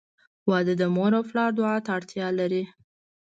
• واده د مور او پلار دعا ته اړتیا لري.